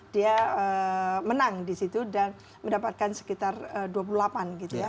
dia menang di situ dan mendapatkan sekitar dua puluh delapan gitu ya